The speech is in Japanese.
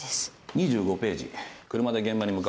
２５ページ車で現場に向かうシーン。